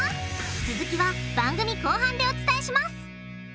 続きは番組後半でお伝えします！